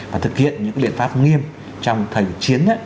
và thực hiện những biện pháp nghiêm trong thời chiến